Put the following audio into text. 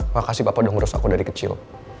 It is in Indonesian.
makasih bapak udah ngurus aku dari kecil